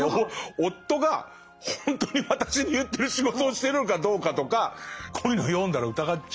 夫がほんとに私に言ってる仕事をしてるのかどうかとかこういうのを読んだら疑っちゃうから。